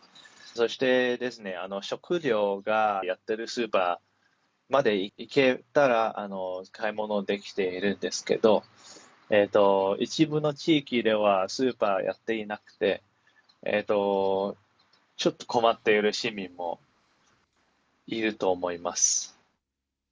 そして、食料が、やってるスーパーまで行けたら買い物できているんですけど、一部の地域ではスーパーやっていなくて、ちょっと困っている市民もいると思います。